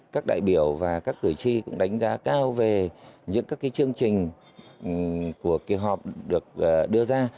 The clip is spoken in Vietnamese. các đại biểu và các cử tri cũng đánh giá cao về những các chương trình của kỳ họp được đưa ra